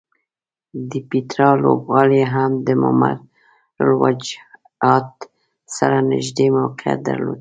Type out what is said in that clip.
د پیترا لوبغالی هم د ممر الوجحات سره نږدې موقعیت درلود.